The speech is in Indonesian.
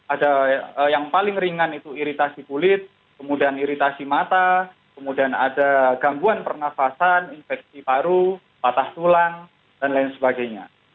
ada yang paling ringan itu iritasi kulit kemudian iritasi mata kemudian ada gangguan pernafasan infeksi paru patah tulang dan lain sebagainya